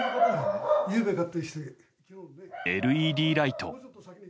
ＬＥＤライト。